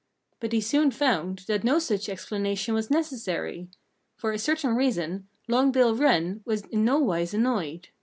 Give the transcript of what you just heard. But he soon found that no such explanation was necessary. For a certain reason, Long Bill Wren was in no wise annoyed.